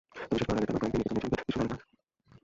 তবে শেষ করার আগে টানা কয়েক দিন নিকেতনে চলবে দৃশ্য ধারণের কাজ।